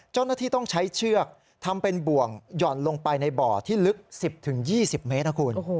เจ้าหน้าที่ต้องใช้เชือกทำเป็นบ่วงหย่อนลงไปในบ่อที่ลึก๑๐๒๐เมตรนะคุณ